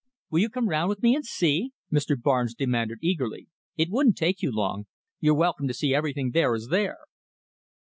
"Will you come round with me and see?" Mr. Barnes demanded eagerly. "It wouldn't take you long. You're welcome to see everything there is there."